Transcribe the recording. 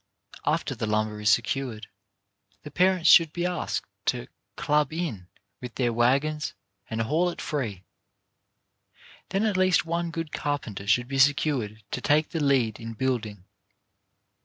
After the lumber is secured, TO WOULD BE TEACHERS 183 the parents should be asked to "club in" with their waggons and haul it free. Then at least one good carpenter should be secured to take the lead in building.